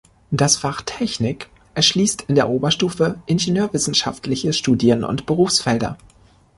Das Fach Technik erschließt in der Oberstufe ingenieurwissenschaftliche Studien- und Berufsfelder.